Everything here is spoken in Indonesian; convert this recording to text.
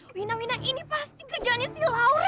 wina wina ini pasti kerjaannya si laura